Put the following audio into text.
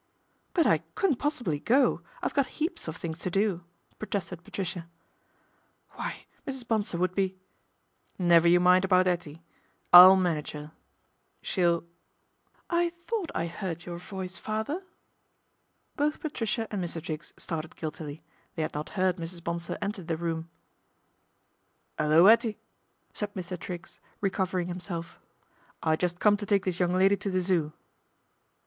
" But I couldn't possibly go, I've got heaps o! things to do," protested Patricia. " Why Mrs Bonsor would be " "Never you mind about 'Ettie ; I'll manag< er. She'" " THE DEFECTION OF MR. TRIGGS 145 " I thought I heard your voice, father." Both Patricia and Mr. Triggs started guiltily ; they had not heard Mrs. Bonsor enter the room. ' 'Ullo, 'Ettie !" said Mr. Triggs, recovering himself. " I just come to take this young lady to the Zoo."